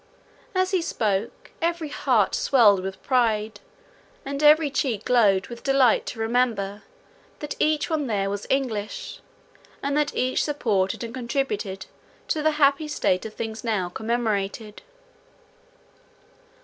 As he spoke, every heart swelled with pride, and every cheek glowed with delight to remember, that each one there was English, and that each supported and contributed to the happy state of things now commemorated.